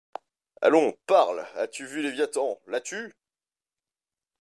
Allons, parle, as-tu vu Léviathan ? L’as-tu